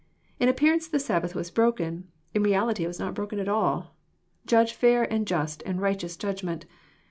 In appearance the Sabbath was broken. In reality it was not broken at all. Judge fair and just and righteous judgment.